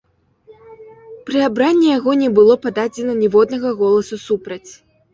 Пры абранні яго не было пададзена ніводнага голасу супраць.